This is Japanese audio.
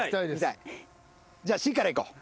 じゃあＣからいこう。